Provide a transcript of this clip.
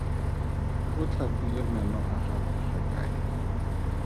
O tlhapile meno a gagwe gakae?